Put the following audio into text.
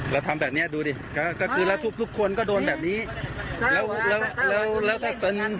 เราทำแบบเนี้ยดูดิก็คือแล้วทุกคนก็โดนแบบนี้แล้วแล้วแล้วแล้วถ้าเติ้ล